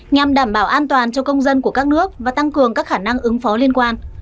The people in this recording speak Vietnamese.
nhằm đảm bảo an toàn cho công dân của các nước và tăng cường các khả năng ứng phó liên quan